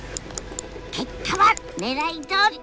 結果はねらいどおり。